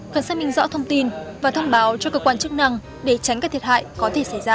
cần xác minh rõ thông tin và thông báo cho cơ quan chức năng để tránh các thiệt hại có thể xảy ra